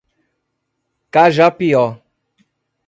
Cajapió